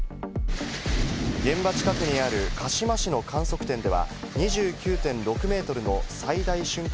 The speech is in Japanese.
現場近くにある鹿嶋市の観測点では２９．６メートルの最大瞬間